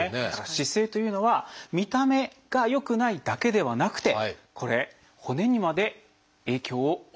姿勢というのは見た目が良くないだけではなくてこれ骨にまで影響を及ぼしているんです。